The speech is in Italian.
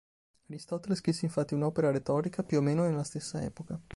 Aristotele scrisse infatti un'opera "retorica" più o meno nella stessa epoca.